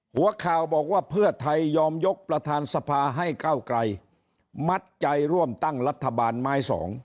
หัวข่าวบอกว่าเพื่อไทยยอมยกประธานสภาให้ก้าวไกลมัดใจร่วมตั้งรัฐบาลไม้๒